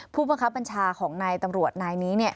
ผู้บังคับบัญชาของนายตำรวจนายนี้